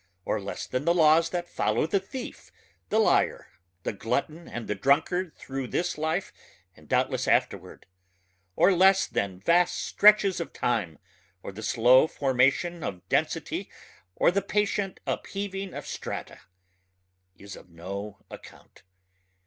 or less than the laws that follow the thief the liar the glutton and the drunkard through this life and doubtless afterward ... or less than vast stretches of time or the slow formation of density or the patient upheaving of strata is of no account.